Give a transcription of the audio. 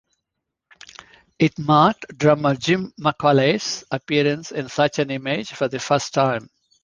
It marked drummer Jim Macaulay's appearance in such an image for the first time.